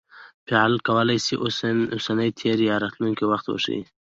فعل کولای سي اوسنی، تېر یا راتلونکى وخت وښيي.